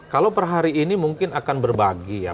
kalau per hari ini mungkin akan berbagi ya